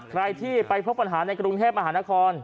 ใครที่ไปพบปัญหาในกรุงเทพมหานคร